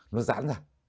nó giãn ra